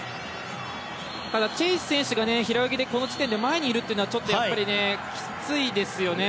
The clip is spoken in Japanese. ただ、チェイス選手が平泳ぎの時点で前にいるというのはきついですよね。